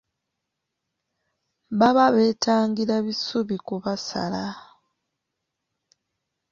Baba beetangira bisubi kubasala.